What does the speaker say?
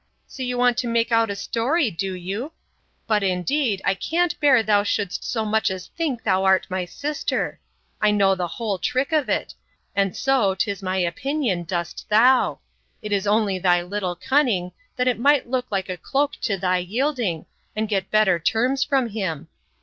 So you want to make out a story, do you?—But, indeed, I can't bear thou shouldst so much as think thou art my sister. I know the whole trick of it; and so, 'tis my opinion, dost thou. It is only thy little cunning, that it might look like a cloak to thy yielding, and get better terms from him.